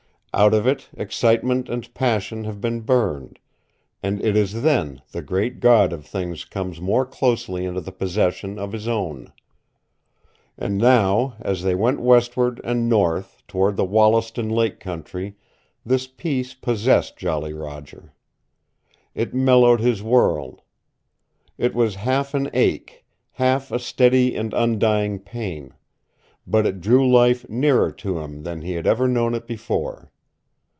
Out of it excitement and passion have been burned, and it is then the Great God of things comes more closely into the possession of his own. And now, as they went westward and north toward the Wollaston Lake country, this peace possessed Jolly Roger. It mellowed his world. It was half an ache, half a steady and undying pain, but it drew Life nearer to him than he had ever known it before.